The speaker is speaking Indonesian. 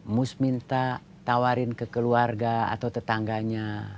mus minta tawarin ke keluarga atau tetangganya